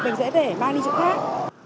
mình sẽ để mang đi chỗ khác